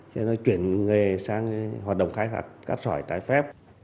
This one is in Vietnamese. cho nên chuyển nghề sang hoạt động khai thác cát sỏi trái phép